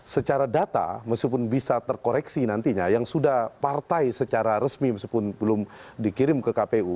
secara data meskipun bisa terkoreksi nantinya yang sudah partai secara resmi meskipun belum dikirim ke kpu